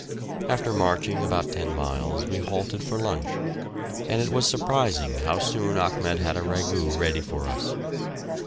After marching about ten miles we halted for lunch, and it was surprising how soon Achmed had a ragout ready for us.